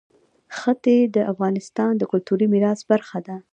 ښتې د افغانستان د کلتوري میراث برخه ده.